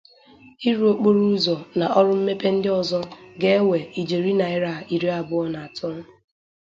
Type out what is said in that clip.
ịrụ okporoụzọ na ọrụ mmepe ndị ọzọ ga-ewè ijeri naịra iri abụọ na atọ